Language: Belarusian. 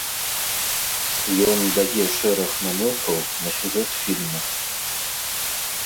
Ён дае шэраг намёкаў на сюжэт фільма.